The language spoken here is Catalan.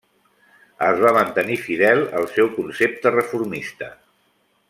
Es va mantenir fidel al seu concepte reformista.